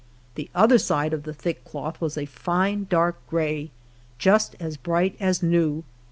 The other side of the thick cloth was a line dark gray, just as bright as new.